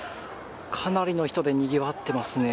かなりの人でにぎわっていますね。